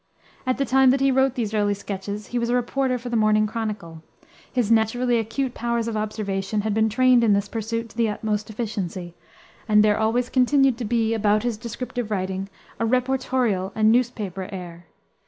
At the time that he wrote these early sketches he was a reporter for the Morning Chronicle. His naturally acute powers of observation had been trained in this pursuit to the utmost efficiency, and there always continued to be about his descriptive writing a reportorial and newspaper air.